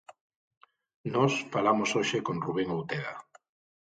Nós falamos hoxe con Rubén Outeda.